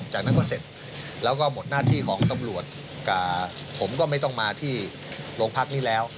จากนั้นก็เสร็จแล้วก็หมดหน้าที่ของตำรวจผมก็ไม่ต้องมาที่โรงพักนี้แล้ว